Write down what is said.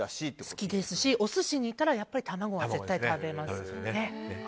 好きですし、お寿司に行ったらやっぱり卵は食べます。